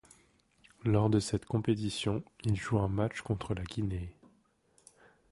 Lors de cette compétition, il joue un match contre la Guinée.